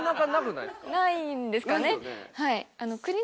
ないんですかね。